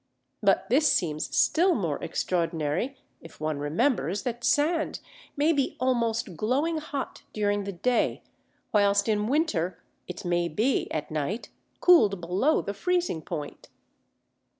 But this seems still more extraordinary if one remembers that sand may be almost glowing hot during the day, whilst in winter it may be, at night, cooled below the freezing point.